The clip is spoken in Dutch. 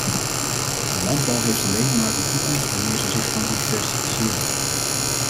De landbouw heeft alleen maar een toekomst wanneer ze zich kan diversifiëren.